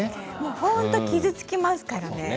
本当に傷つきますからね。